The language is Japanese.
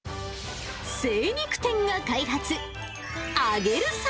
精肉店が開発。